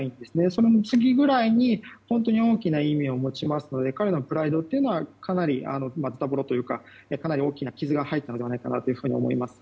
その次ぐらいに大きな意味を持ちますので彼のプライドというのはかなりズタボロというかかなり大きな傷が入ったのではないかと思います。